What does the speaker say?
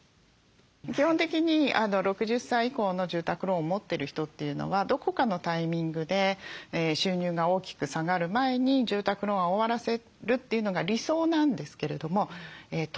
基本的に６０歳以降の住宅ローンを持ってる人というのはどこかのタイミングで収入が大きく下がる前に住宅ローンは終わらせるというのが理想なんですけれども時と場合による。